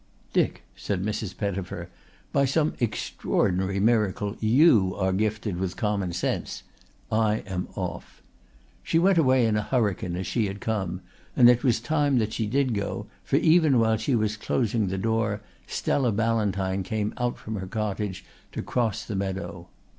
"Dick," said Mrs. Pettifer, "by some extraordinary miracle you are gifted with common sense. I am off." She went away in a hurricane as she had come, and it was time that she did go, for even while she was closing the door Stella Ballantyne came out from her cottage to cross the meadow.